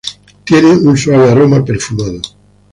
Tienen un suave aroma perfumado.